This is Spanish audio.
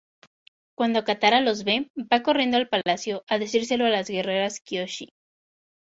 Cuando Katara los ve, va corriendo al palacio a decírselo a las guerreras Kyoshi.